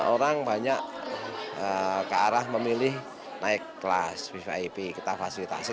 orang banyak ke arah memilih naik kelas vvip kita fasilitasi